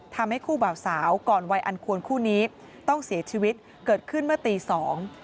ทำให้คู่บ่าวสาวก่อนวัยอันควรคู่นี้ต้องเสียชีวิตเกิดขึ้นเมื่อตีสอง